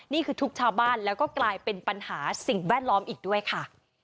นี่คือทุกชาวบ้านแล้วก็กลายเป็นปัญหาสิ่งแวดล้อมอีกด้วยค่ะ